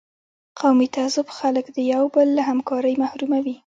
قومي تعصب خلک د یو بل له همکارۍ محروموي.